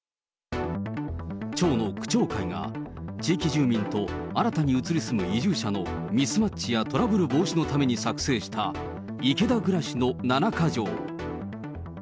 町の区長会が、地域住民と新たに移り住む移住者のミスマッチやトラブル防止のために作成した、池田暮らしの七か条。